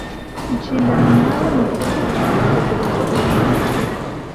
inshingano nyayo mugicucu itegereje ubushake